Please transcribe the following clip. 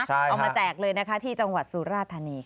เอามาแจกเลยนะคะที่จังหวัดสุราธานี